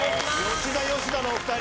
吉田吉田のお二人！